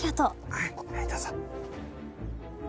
はいはいどうぞ。